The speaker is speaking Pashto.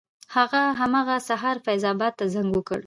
هغه همغه سهار فیض اباد ته زنګ وکړ.